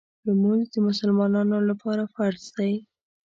لمونځ د مسلمانانو لپاره فرض دی.